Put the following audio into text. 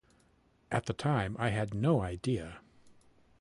At the time, I had no idea.